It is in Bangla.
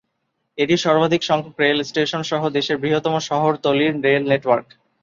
এটি সর্বাধিক সংখ্যক রেল স্টেশন সহ দেশের বৃহত্তম শহরতলির রেল নেটওয়ার্ক।